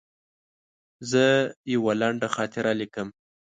زه یوه لنډه خاطره لیکم.